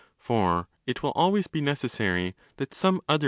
For it will always be necessary that some other?